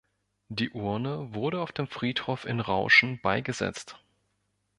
Die Urne wurde auf dem Friedhof in Rauschen beigesetzt.